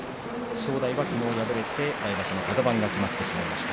正代は、きのう敗れて来場所のカド番が決まっています。